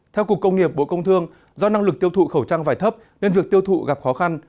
theo cục công nghiệp bộ công thương do năng lực tiêu thụ khẩu trang vải thấp nên việc tiêu thụ gặp khó khăn